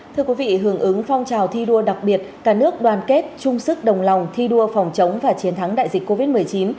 thưa quý vị hưởng ứng phong trào thi đua đặc biệt cả nước đoàn kết chung sức đồng lòng thi đua phòng chống và chiến thắng đại dịch covid một mươi chín